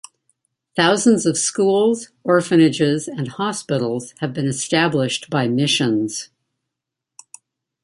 Thousands of schools, orphanages, and hospitals have been established by missions.